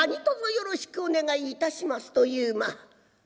よろしくお願いいたします」というまあ